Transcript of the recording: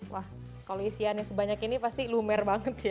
wah kalau isiannya sebanyak ini pasti lumer banget ya